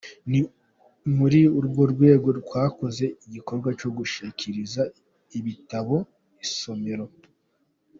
Ni muri urwo rwego twakoze iki gikorwa cyo gushyikiriza ibitabo isomero.